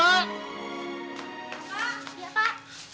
bapak siap pak